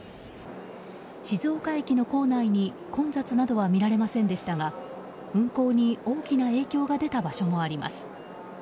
静岡駅の構内に混雑などは見られませんでしたが運行に大きな影響が出た場所もあります。